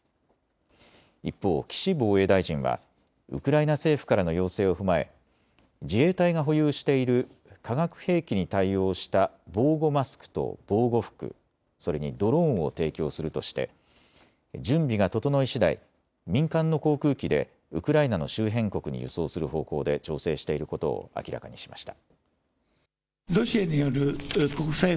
一方、岸防衛大臣はウクライナ政府からの要請を踏まえ自衛隊が保有している化学兵器に対応した防護マスクと防護服、それにドローンを提供するとして準備が整いしだい民間の航空機でウクライナの周辺国に輸送する方向で調整していることを明らかにしました。